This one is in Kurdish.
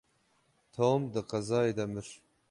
Tom di qezayê de mir.